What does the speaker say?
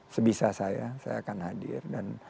sebisa saya saya akan hadir dan